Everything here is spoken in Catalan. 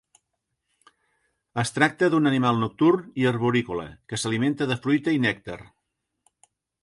Es tracta d'un animal nocturn i arborícola que s'alimenta de fruita i nèctar.